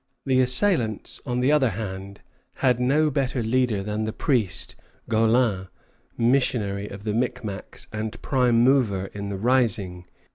The assailants, on the other hand, had no better leader than the priest, Gaulin, missionary of the Micmacs and prime mover in the rising.